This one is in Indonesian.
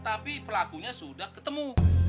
tapi pelakunya sudah ketemu